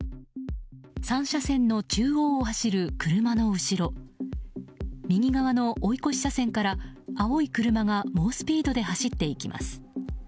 ３車線の中央を走る車の後ろ右側の追い越し車線から青い車が猛スピードで走っていきます。